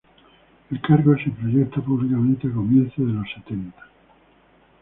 El cargo se proyecta públicamente a comienzos de los setenta.